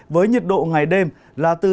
với nhiệt độ ngày đêm là từ hai mươi ba mươi hai độ